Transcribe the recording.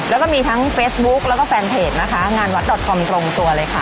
แล้วก็มีทั้งเฟซบุ๊กแล้วก็แฟนเพจนะคะงานวัดดอทคอมตรงตัวเลยค่ะ